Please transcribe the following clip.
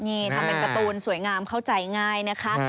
นี่ทำเป็นการ์ตูนสวยงามเข้าใจง่ายนะคะ